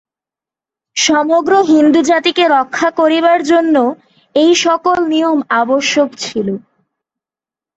সমগ্র হিন্দুজাতিকে রক্ষা করিবার জন্য এই-সকল নিয়ম আবশ্যক ছিল।